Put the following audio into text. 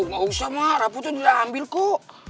mau dua sama rapotnya dia ambil kok